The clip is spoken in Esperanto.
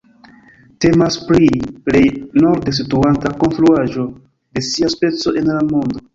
Temas pri plej norde situanta konstruaĵo de sia speco en la mondo.